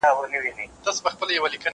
زه اجازه لرم چي کالي وپرېولم؟